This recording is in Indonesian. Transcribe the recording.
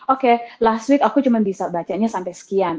okay last week aku cuma bisa bacanya sampai sekian